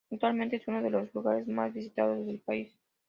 Actualmente, es uno de los lugares más visitados del país.